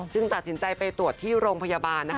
จึงตัดสินใจไปตรวจที่โรงพยาบาล